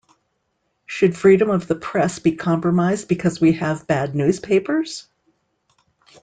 Should freedom of the press be compromised because we have bad newspapers?